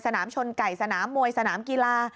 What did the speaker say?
ชนไก่สนามมวยสนามกีฬา